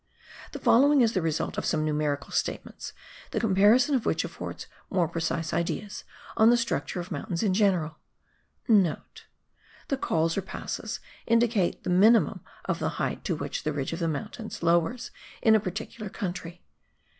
The following is the result of some numerical statements, the comparison of which affords more precise ideas on the structure of mountains in general.* (* The Cols or passes indicate the minimum of the height to which the ridge of the mountains lowers in a particular country.